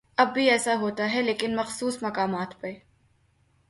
اب بھی ایسا ہوتا ہے لیکن مخصوص مقامات پہ۔